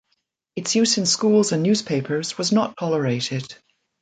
Its use in schools and newspapers was not tolerated.